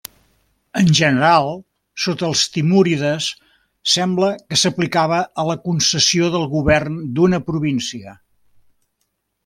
En general sota els timúrides sembla que s'aplicava a la concessió del govern d'una província.